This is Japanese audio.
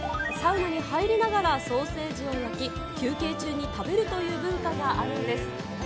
サウナに入りながら、ソーセージを焼き、休憩中に食べるという文化があるんです。